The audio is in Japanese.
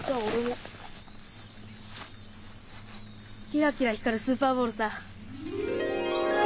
キラキラ光るスーパーボールさ。